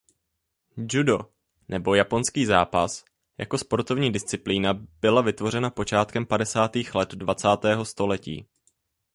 Judo nebo "Japonský zápas" jako sportovní disciplína byla vytvořena počátkem padesátých let dvacátého století.